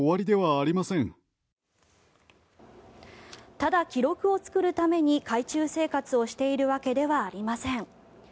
ただ記録を作るために海中生活をしているわけではありません。